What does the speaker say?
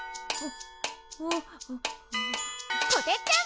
こてっちゃん！